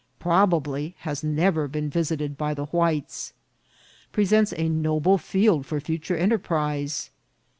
— Probably has never been visited by the Whites. — Presents a noble Field for future Enterprise.